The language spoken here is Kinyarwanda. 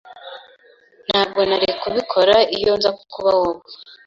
Ntabwo nari kubikora iyo nza kuba wowe.